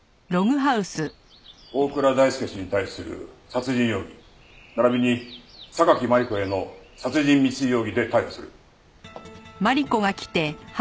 大倉大輔氏に対する殺人容疑並びに榊マリコへの殺人未遂容疑で逮捕する。